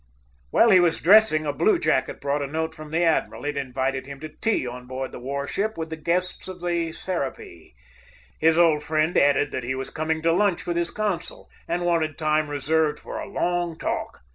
While he was dressing, a blue jacket brought a note from the admiral. It invited him to tea on board the war ship, with the guests of the Serapis. His old friend added that he was coming to lunch with his consul, and wanted time reserved for a long talk.